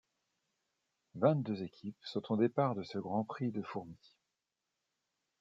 Vingt-deux équipes sont au départ de ce Grand Prix de Fourmies.